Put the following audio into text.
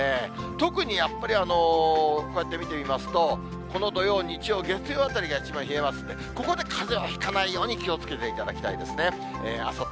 特にやっぱりこうやって見てみますと、この土曜、日曜、月曜あたりが一番冷えますんで、ここでかぜをひかないように気をつけていただきたいですね。